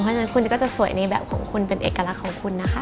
เพราะฉะนั้นคุณก็จะสวยในแบบของคุณเป็นเอกลักษณ์ของคุณนะคะ